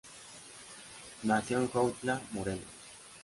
Nació en Jojutla, Morelos.